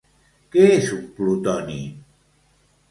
Què és un Plutoni?